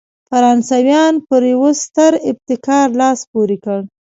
فرانسویانو پر یوه ستر ابتکار لاس پورې کړ.